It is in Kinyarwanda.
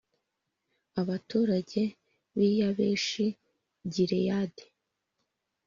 Abaturage b i Yabeshi Gileyadi